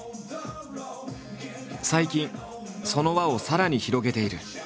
最近その輪をさらに広げている。